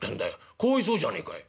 かわいそうじゃねえかよ」。